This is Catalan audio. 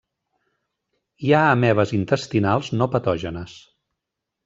Hi ha amebes intestinals no patògenes.